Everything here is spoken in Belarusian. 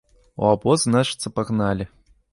У абоз, значыцца, пагналі.